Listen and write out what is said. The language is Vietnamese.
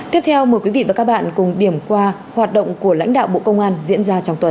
tiếp theo mời quý vị và các bạn cùng điểm qua hoạt động của lãnh đạo bộ công an diễn ra trong tuần